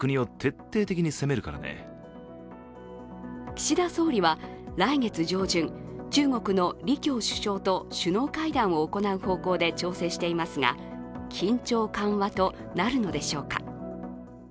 岸田総理は来月上旬中国の李強首相と首脳会談を行う方向で調整していますが緊張緩和となるのでしょうか。